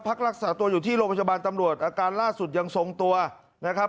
พักรักษาตัวอยู่ที่โรงพยาบาลตำรวจอาการล่าสุดยังทรงตัวนะครับ